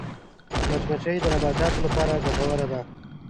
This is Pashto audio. مچمچۍ د نباتاتو لپاره ګټوره ده